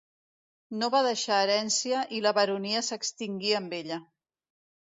No va deixar herència i la baronia s'extingí amb ella.